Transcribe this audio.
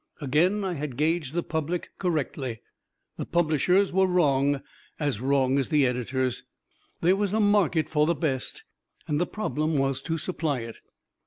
Again I had gauged the public correctly the publishers were wrong, as wrong as the editors. There was a market for the best, and the problem was to supply it.